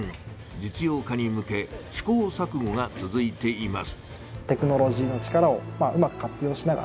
実用化に向け試行さくごが続いています。